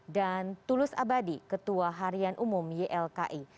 dan tulus abadi ketua harian umum ylki